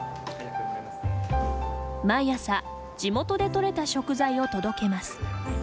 毎朝地元で取れた食材を届けます。